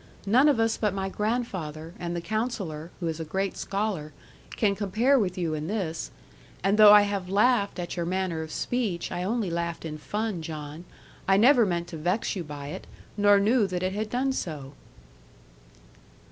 None of us but my grandfather, and the Counsellor (who is a great scholar), can compare with you in this. And though I have laughed at your manner of speech, I only laughed in fun, John; I never meant to vex you by it, nor knew that it had done so.'